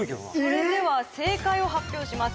それでは正解を発表します